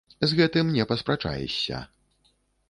З гэтым не паспрачаешся!